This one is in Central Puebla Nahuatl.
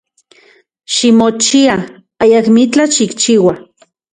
Ximochia, ayakmitlaj xikchiua.